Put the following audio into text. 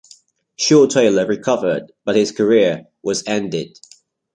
Shawe-Taylor recovered but his career was ended.